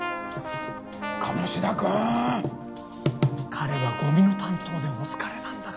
彼はゴミの担当でお疲れなんだから。